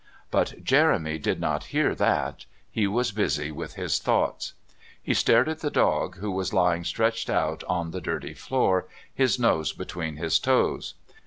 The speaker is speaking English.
But Jeremy did not hear that; he was busy with his thoughts. He stared at the dog, who was lying stretched out on the dirty floor, his nose between his toes.